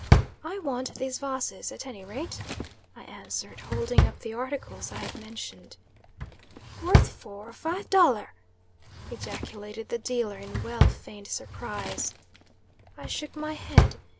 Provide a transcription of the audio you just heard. "I want these vases, at any rate," I answered, holding up the articles I had mentioned. "Worth four, five dollar!" ejaculated the dealer, in well feigned surprise. I shook my head.